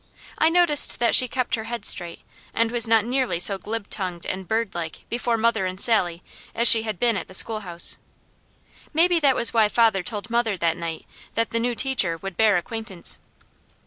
I noticed that she kept her head straight, and was not nearly so glib tongued and birdlike before mother and Sally as she had been at the schoolhouse. Maybe that was why father told mother that night that the new teacher would bear acquaintance.